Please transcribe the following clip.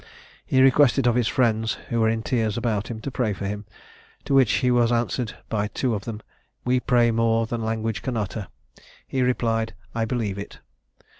He requested of his friends, who were in tears about him, to pray for him; to which he was answered, by two of them, 'We pray more than language can utter.' He replied, 'I believe it.'